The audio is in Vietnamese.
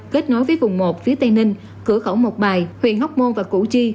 kết nối với vùng một phía tây ninh cửa khẩu mộc bài huyện hóc môn và củ chi